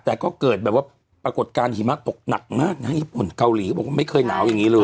แต่ก็เกิดแบบว่าปรากฏการณ์หิมะตกหนักมากนะฮะญี่ปุ่นเกาหลีก็บอกว่าไม่เคยหนาวอย่างนี้เลย